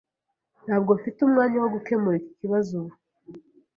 Ntabwo mfite umwanya wo gukemura iki kibazo ubu.